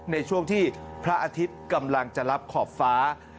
ในช่วงที่พระอาทิตย์กำลังจะรับขอบฟ้า